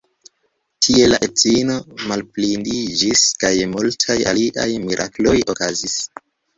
Tie la edzino malblindiĝis kaj multaj aliaj mirakloj okazis.